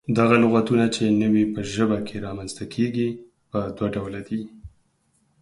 دغه لغتونه چې نوي په ژبه کې رامنځته کيږي، پۀ دوله ډوله دي: